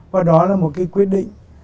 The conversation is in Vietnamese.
và đó là một cái quyết định